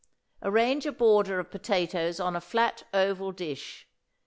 Arrange a border of potatoes on a flat, oval dish.